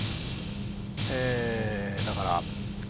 えだから。